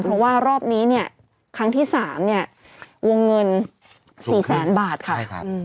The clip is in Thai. เพราะว่ารอบนี้เนี่ยครั้งที่๓เนี่ยวงเงิน๔แสนบาทค่ะ